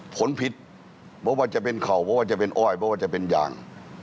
ผลผิดเพราะว่าจะเป็นเข่าเพราะว่าจะเป็นอ้อยเพราะว่าจะเป็นยาง